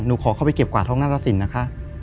หนูขอเข้าไปเก็บกวาดห้องน่ารสินนะคะ